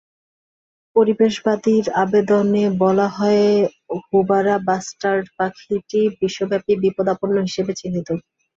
পরিবেশবাদীর আবেদনে বলা হয়, হুবারা বাস্টার্ড পাখিটি বিশ্বব্যাপী বিপদাপন্ন হিসেবে চিহ্নিত।